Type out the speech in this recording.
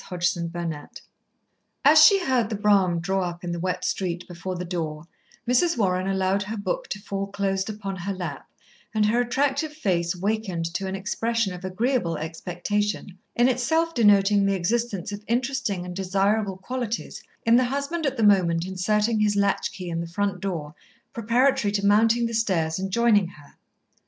Chapter Nineteen As she heard the brougham draw up in the wet street before the door, Mrs. Warren allowed her book to fall closed upon her lap, and her attractive face awakened to an expression of agreeable expectation, in itself denoting the existence of interesting and desirable qualities in the husband at the moment inserting his latch key in the front door preparatory to mounting the stairs and joining her.